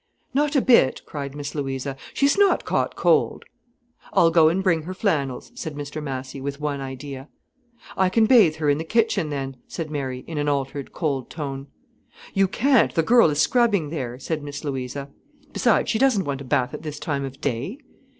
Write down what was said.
"Not a bit," cried Miss Louisa. "She's not caught cold." "I'll go and bring her flannels," said Mr Massy, with one idea. "I can bath her in the kitchen then," said Mary, in an altered, cold tone. "You can't, the girl is scrubbing there," said Miss Louisa. "Besides, she doesn't want a bath at this time of day."